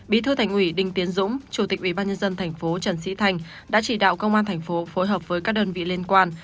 bí thư thành ủy đinh tiến dũng chủ tịch ubnd tp trần sĩ thành đã chỉ đạo công an tp phối hợp với các đơn vị liên quan